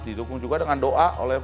didukung juga dengan doa oleh